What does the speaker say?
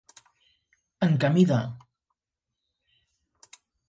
En camí de.